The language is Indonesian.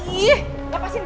ih lepasin gue